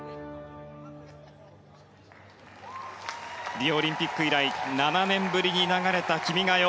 リオオリンピック以来７年ぶりに流れた「君が代」。